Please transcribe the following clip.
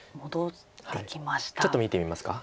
ちょっと見てみますか。